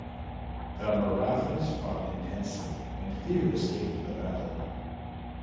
The Marathas fought intensely and few escaped the battle.